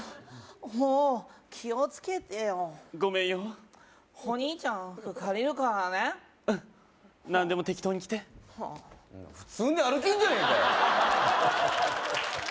もう気をつけてよごめんよほにいちゃんの服借りるからねうん何でも適当に着て普通に歩けんじゃねえかよ